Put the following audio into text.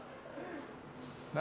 何？